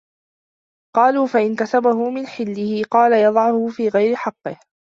قَالُوا فَإِنْ كَسَبَهُ مِنْ حِلِّهِ ؟ قَالَ يَضَعُهُ فِي غَيْرِ حَقِّهِ